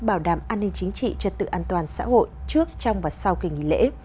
bảo đảm an ninh chính trị trật tự an toàn xã hội trước trong và sau kỳ nghỉ lễ